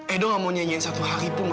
edo gak mau nyanyiin satu hari pun ma